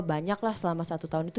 banyaklah selama satu tahun itu